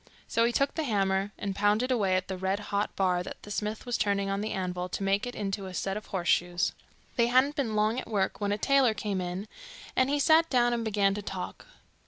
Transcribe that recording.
So he took the hammer, and pounded away at the red hot bar that the smith was turning on the anvil to make into a set of horse shoes. They hadn't been long at work when a tailor came in, and he sat down and began to talk.